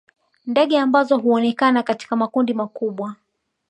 Ndege ambao huonekana katika makundi makubwa